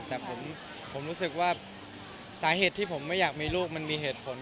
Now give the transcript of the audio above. แต่ผมรู้สึกว่าสาเหตุที่ผมไม่อยากมีลูกมันมีเหตุผล